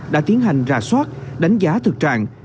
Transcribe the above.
đã tiến hành rà soát đánh giá thực trạng